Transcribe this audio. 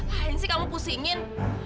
ngapain sih kamu pusingin